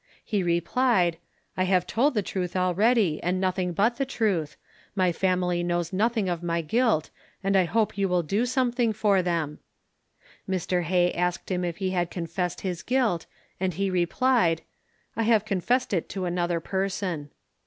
He replied, "I have told the truth already, and nothing but the truth. My family knows nothing of my guilt, and I hope you will do something for them." Mr Hay asked him if he had confessed his guilt; and he replied, "I have confessed it to another person."